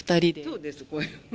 そうです。